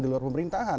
dan pemerintahan lain